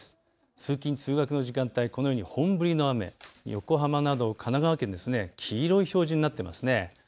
通勤通学の時間帯、本降りの雨、横浜など神奈川県、黄色い表示になっていますね。